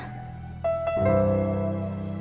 kita sedang tidak menciptakan budaya